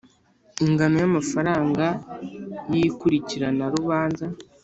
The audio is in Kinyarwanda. ingano y amafaranga y ikurikirana rubanza